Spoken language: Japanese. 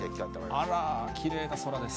あらー、きれいな空です。